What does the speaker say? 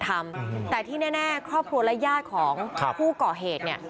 แต่ที่แน่ครอบครัวและญาติของผู้ก่อเหตุ